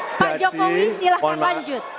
pak jokowi silahkan lanjut